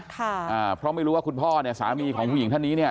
ค่ะอ่าเพราะไม่รู้ว่าคุณพ่อเนี่ยสามีของผู้หญิงท่านนี้เนี่ย